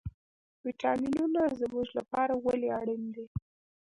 ویټامینونه زموږ لپاره ولې اړین دي